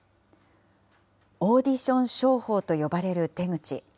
オーディション商法と呼ばれる手口。